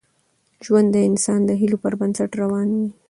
ژوند د انسان د هیلو پر بنسټ روان وي.